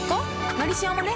「のりしお」もね